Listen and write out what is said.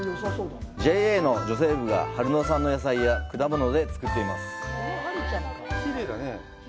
ＪＡの女性部が春野産の野菜や果物で作っています。